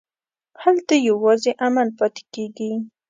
هلته یوازې عمل پاتې کېږي.